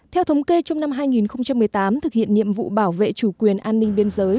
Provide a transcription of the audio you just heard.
theo thống kê trong năm hai nghìn một mươi tám thực hiện nhiệm vụ bảo vệ chủ quyền an ninh biên giới